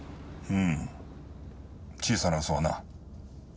うん小さな嘘はな。